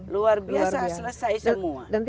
luar biasa selesai semua